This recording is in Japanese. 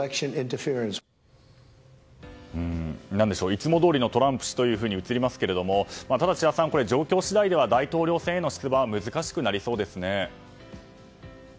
いつもどおりのトランプ氏と映りますけどただ、千田さん状況次第では大統領選への出馬は難しくなりそうですね。